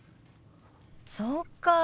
そうか。